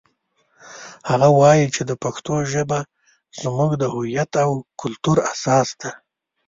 هغه وایي چې د پښتو ژبه زموږ د هویت او کلتور اساس ده